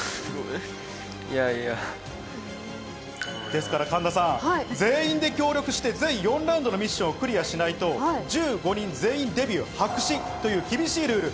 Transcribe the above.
ですから全員で協力して全４ラウンドのミッションをクリアしないと１５人全員デビューが白紙という厳しいルール。